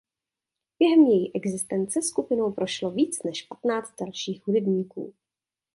Během její existence skupinou prošlo více než patnáct dalších hudebníků.